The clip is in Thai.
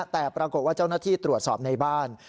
แต่ปรากฏว่าเจ้าหน้าที่ตรวจสอบในบ้าน